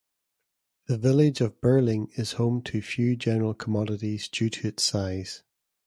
The village of Birling is home to few general commodities due to its size.